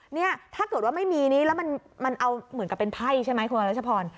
เนี่ยถ้าเกิดว่าไม่มีนี้แล้วมันเอาเหมือนกับเป็นไพ่ใช่ไหมคุณรัชพร